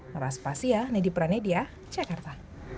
meras pasia nedi pranedia jakarta